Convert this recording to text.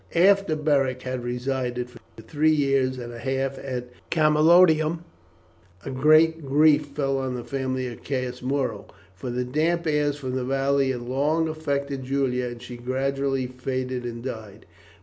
After Beric had resided for three years and a half at Camalodunum a great grief fell on the family of Caius Muro, for the damp airs from the valley had long affected Julia and she gradually faded and died.